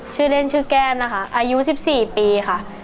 ชื่อเล่นชื่อแก้มนะคะอายุ๑๔ปีค่ะ